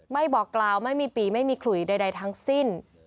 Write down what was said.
บอกกล่าวไม่มีปีไม่มีขลุยใดทั้งสิ้น